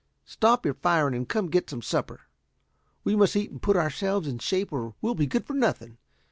Stop your firing and come get some supper. We must eat and put ourselves in shape or we'll be good for nothing.